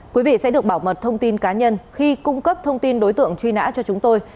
quý vị sẽ được bảo mật thông tin cá nhân khi cung cấp thông tin đối tượng truy nã cho chúng tôi